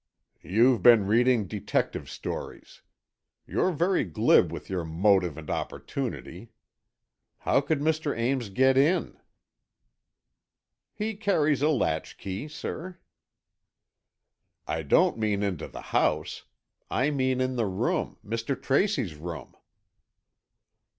"You've been reading detective stories. You're very glib with your 'motive and opportunity'! How could Mr. Ames get in?" "He carries a latchkey, sir." "I don't mean into the house, I mean in the room, Mr. Tracy's room."